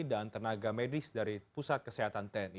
dan tenaga medis dari pusat kesehatan